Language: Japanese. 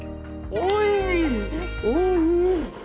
おい。